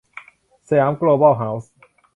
สยามโกลบอลเฮ้าส์